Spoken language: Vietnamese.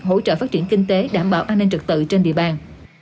hỗ trợ phát triển kinh tế đảm bảo an ninh trực tự trên địa bàn